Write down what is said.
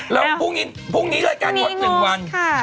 แล้วพรุ่งนี้รายการงด๑วัน